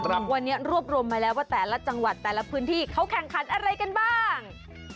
วันนี้รวบรวมมาแล้วว่าแต่ละจังหวัดแต่ละพื้นที่เขาแข่งขันอะไรกันบ้าง